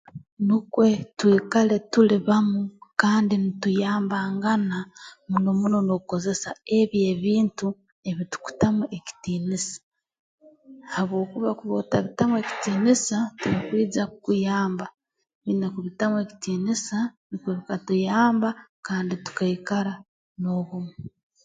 Nukwe twikale tuli bamu kandi nituyambangana muno muno n'okukozesa ebyo ebintu ebitukutamu ekitiinisa habwokuba kuba otabitamu ekitiinisa tibikwija kukuyamba oine kubitamu ekitiinisa nukwe bikatuyamba kandi tukaikara n'obumu